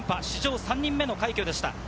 史上３人目の快挙でした。